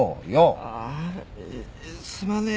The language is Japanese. ああすまねえ。